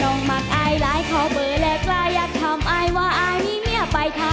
น้องมักอายลายขอเบอร์แลกลายอยากถามอายว่าอายมีเมียไปค่ะ